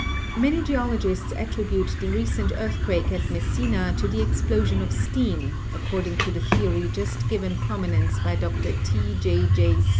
Many geologists attribute the recent earthquake at Mes sina to the explosion of steam, according to the theory just given prominence by Dr. T. J. J.